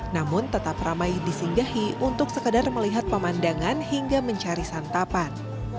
namun tetap ramai disinggahi untuk sekadar melihat pemandangan hingga mencari santapan